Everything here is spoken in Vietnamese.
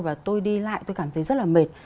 và tôi đi lại tôi cảm thấy rất là mệt